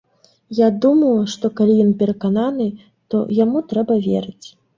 Я думаю, што калі ён перакананы, то яму трэба верыць.